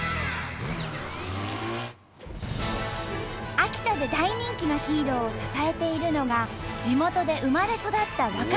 秋田で大人気のヒーローを支えているのが地元で生まれ育った若者たち。